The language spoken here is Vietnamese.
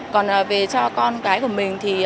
còn về cho con gái của mình thì